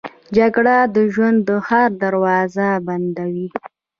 جګړه د ژوند هره دروازه بندوي